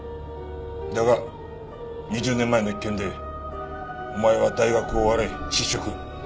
だが２０年前の一件でお前は大学を追われ失職。